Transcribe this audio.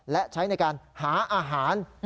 และใช้ในการหาอาหาร